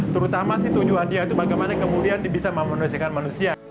terutama sih tujuan dia itu bagaimana kemuliaan bisa memenuhisikan manusia